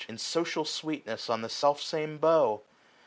In social sweetness on the self same bough.